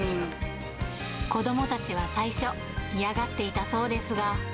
子どもたちは最初、嫌がっていたそうですが。